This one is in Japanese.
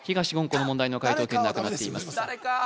この問題の解答権なくなっています